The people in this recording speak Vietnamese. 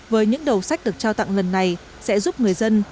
với những đầu sách được trao tặng lần này sẽ giúp người dân